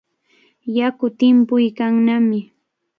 Yaku timpuykannami.